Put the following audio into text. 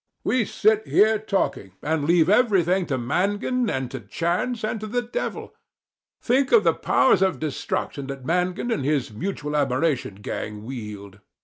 We sit here talking, and leave everything to Mangan and to chance and to the devil. Think of the powers of destruction that Mangan and his mutual admiration gang wield!